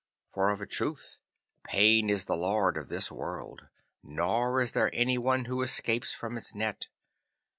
For of a truth pain is the Lord of this world, nor is there any one who escapes from its net.